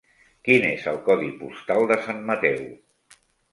Quin és el codi postal de Sant Mateu?